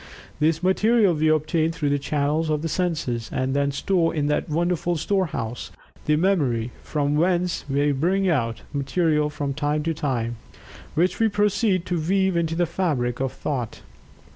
This material we obtain through the channels of the senses, and then store in that wonderful storehouse, the Memory, from whence we bring out material from time to time, which we proceed to weave into the fabric of Thought.